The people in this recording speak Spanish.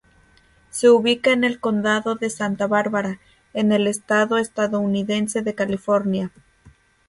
Se ubica en el condado de Santa Bárbara en el estado estadounidense de California.